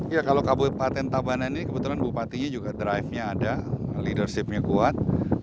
ya kalau kabupaten tabanan ini kebetulan bupatinya juga drive nya ada leadership nya kuat